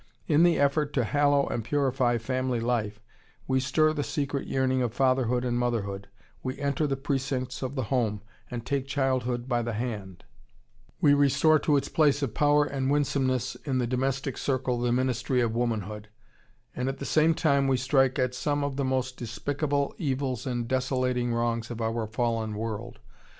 In the effort to hallow and purify family life we stir the secret yearning of fatherhood and motherhood; we enter the precincts of the home, and take childhood by the hand; we restore to its place of power and winsomeness in the domestic circle the ministry of womanhood; and at the same time we strike at some of the most despicable evils and desolating wrongs of our fallen world.